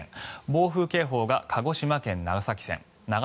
暴風警報が鹿児島県、長崎県。